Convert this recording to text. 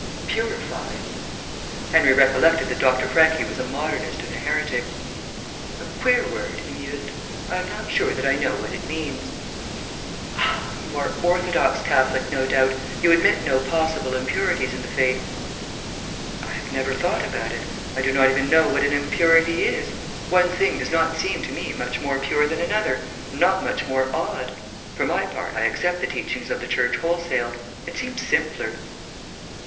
"Purified...." Henry recollected that Dr. Franchi was a modernist and a heretic. "A queer word," he mused. "I am not sure that I know what it means." "Ah. You are orthodox Catholic, no doubt. You admit no possible impurities in the faith." "I have never thought about it. I do not even know what an impurity is. One thing does not seem to me much more pure than another, and not much more odd. For my part, I accept the teaching of the Church wholesale. It seems simpler."